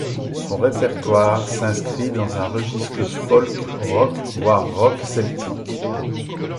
Son répertoire s'inscrit dans un registre folk rock voire rock celtique.